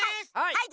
はい。